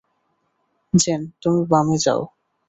Gen, তুমি বামে যাও।